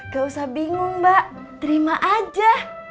gak usah bingung mbak terima aja